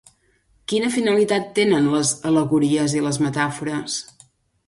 Quina finalitat tenen les al·legories i les metàfores?